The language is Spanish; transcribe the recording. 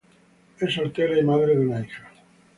Es soltera y madre de una hija.